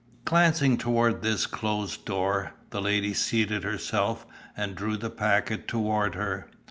Glancing toward this closed door, the lady seated herself, and drew the packet toward her.